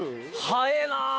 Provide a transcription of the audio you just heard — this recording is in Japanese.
早えな。